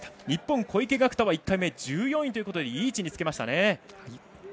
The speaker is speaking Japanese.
日本、小池岳太は１回目１４位ということでいい位置につけました。